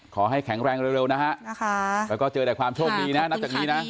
ขอให้แข็งแรงเร็วนะฮะแล้วก็เจอแต่ความโชคดีนะนับจากนี้นะ